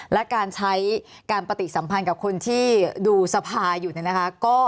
และการใช้การปฏิสัมพันธ์กับคนที่ดูสภาอยู่เนี่ยนะคะ